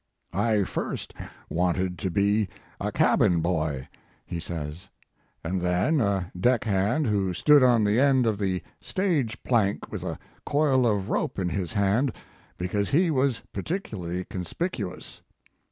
I first wanted to be a cabin boy," he says, "and then a deck hand who stood on the end of the stage plank with a coil of rope in his hand, because he was particularly conspicuous.